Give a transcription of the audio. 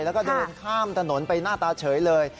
แล้วก็เดินข้ามถนนไปหน้าตาเฉยเลย